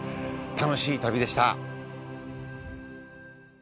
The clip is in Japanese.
楽しい旅でした！